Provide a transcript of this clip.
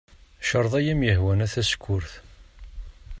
Creḍ i am-yehwan a tasekkurt.